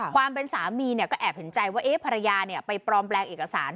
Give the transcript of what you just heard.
ความเป็นสามีก็แอบเห็นใจว่าภรรยาไปปลอมแปลงเอกสาร